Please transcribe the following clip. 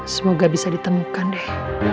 semoga bisa ditemukan deh